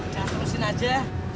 cah terusin aja